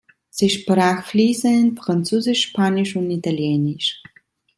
Sie sprach fließend Französisch, Spanisch und Italienisch.